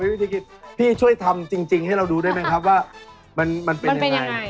วิธีคิดพี่ช่วยทำจริงให้เราดูได้ไหมครับว่ามันเป็นยังไง